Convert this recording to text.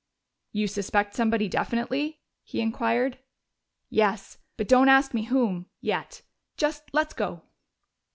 "You suspect somebody definitely?" he inquired. "Yes. But don't ask me whom yet. Just let's go."